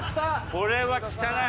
これは汚い。